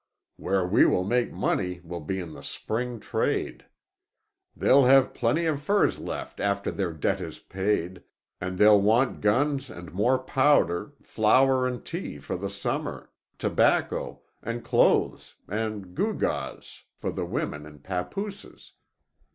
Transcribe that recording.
Where we will make money will be in the spring trade. They'll have plenty of furs left after their debt is paid, and they'll want guns and more powder, flour and tea for the summer, tobacco, and clothes and gew gaws for the women and pappooses.